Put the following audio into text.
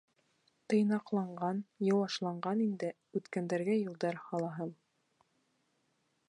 Тыйнаҡланған, йыуашланған инде, Үткәндәргә юлдар һалаһым.